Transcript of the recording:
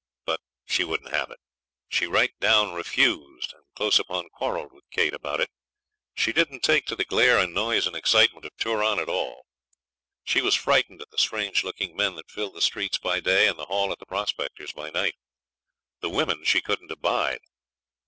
But she wouldn't have it. She right down refused and close upon quarrelled with Kate about it. She didn't take to the glare and noise and excitement of Turon at all. She was frightened at the strange looking men that filled the streets by day and the hall at the Prospectors' by night. The women she couldn't abide.